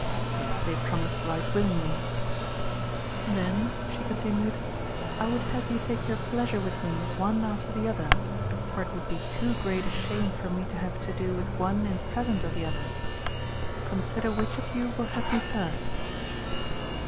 This they promised right willingly. "Then," she continued, "I would have you take your pleasure with me one after the other, for it would be too great a shame for me to have to do with one in presence of the other. Consider which of you will have me first."